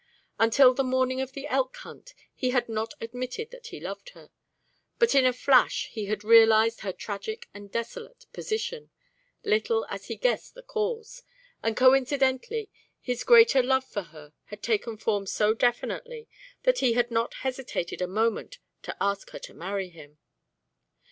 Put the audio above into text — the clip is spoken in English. Until the morning of the elk hunt, he had not admitted that he loved her; but in a flash he had realised her tragic and desolate position, little as he guessed the cause, and coincidently his greater love for her had taken form so definitely that he had not hesitated a moment to ask her to marry him.